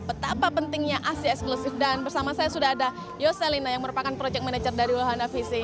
betapa pentingnya aksi eksklusif dan bersama saya sudah ada yoselina yang merupakan project manager dari wahana visi